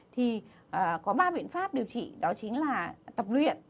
thì có ba biện pháp điều trị đó chính là tập luyện